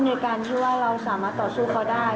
ในการที่ว่าเราสามารถต่อสู้เขาได้